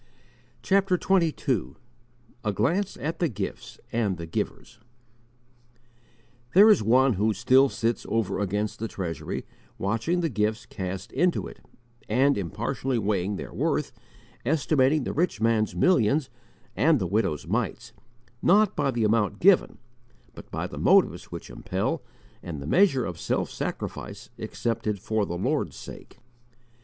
CHAPTER XXII A GLANCE AT THE GIFTS AND THE GIVERS THERE is One who still sits over against the Treasury, watching the gifts cast into it, and impartially weighing their worth, estimating the rich man's millions and the widow's mites, not by the amount given, but by the motives which impel and the measure of self sacrifice accepted for the Lord's sake.